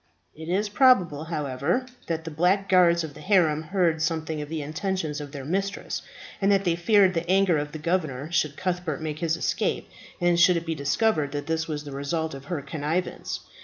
It is probable, however, that the black guards of the harem heard something of the intentions of their mistress, and that they feared the anger of the governor should Cuthbert make his escape, and should it be discovered that this was the result of her connivance.